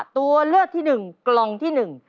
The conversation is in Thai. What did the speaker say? ตัวเลือกที่หนึ่งกล่องที่หนึ่ง